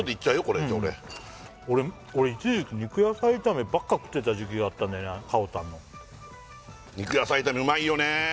これじゃあ俺俺一時期肉野菜炒めばっか食ってた時期があったねかおたんの肉野菜炒めうまいよね